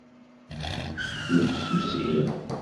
Nnefsusiɣ.